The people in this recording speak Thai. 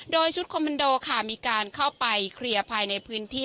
โดยชุดคอมมันโดค่ะมีการเข้าไปเคลียร์ภายในพื้นที่